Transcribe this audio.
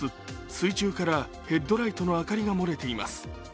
水中からヘッドライトの明かりが漏れています。